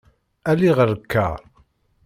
Ali ɣer lkar.